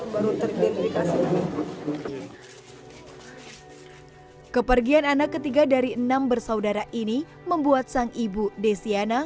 baru terdiri kasih kepergian anak ketiga dari enam bersaudara ini membuat sang ibu desyana